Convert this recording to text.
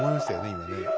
今ね。